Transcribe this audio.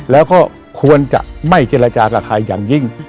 แล้วก็ควรจะไม่เจรจากับใครอย่างยิ่ง